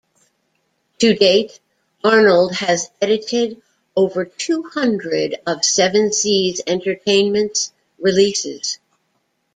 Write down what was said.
To date, Arnold has edited over two hundred of Seven Seas Entertainment's releases.